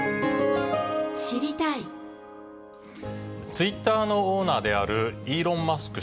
ツイッターのオーナーであるイーロン・マスク